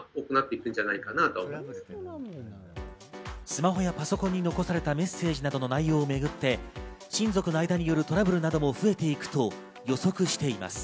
スマホやパソコンに残されたメッセージなどの内容をめぐって、親族の間によるトラブルなども増えていくと予測しています。